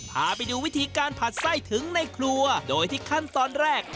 พาไปดูวิธีการผัดไส้ถึงในครัวโดยที่ขั้นตอนแรก